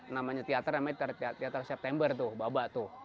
namanya teaternya teater september tuh baba tuh